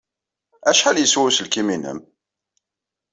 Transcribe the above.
Acḥal yeswa uselkim-nnem?